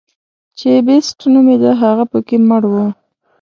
چې بېسټ نومېده هغه پکې مړ و.